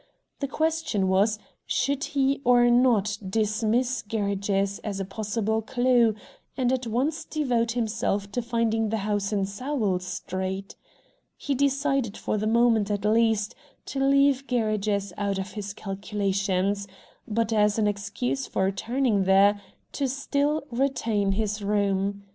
The question was, should he or not dismiss Gerridge's as a possible clew, and at once devote himself to finding the house in Sowell Street? He decided for the moment at least, to leave Gerridge's out of his calculations, but, as an excuse for returning there, to still retain his room.